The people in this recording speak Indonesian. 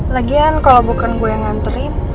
lagian kalau bukan gue yang nganterin